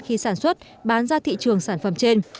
khi sản xuất bán ra thị trường sản phẩm trên